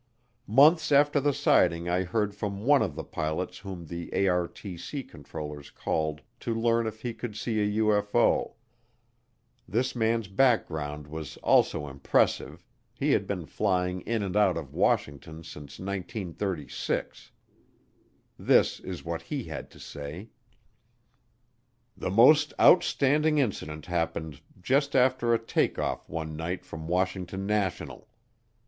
Months after the sighting I heard from one of the pilots whom the ARTC controllers called to learn if he could see a UFO. This man's background was also impressive, he had been flying in and out of Washington since 1936. This is what he had to say: The most outstanding incident happened just after a take off one night from Washington National.